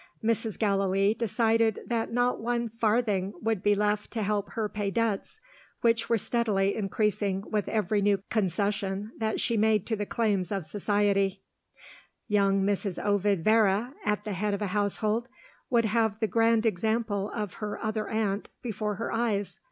Mrs. Gallilee decided that not one farthing would be left to help her to pay debts, which were steadily increasing with every new concession that she made to the claims of society. Young Mrs. Ovid Vere, at the head of a household, would have the grand example of her other aunt before her eyes.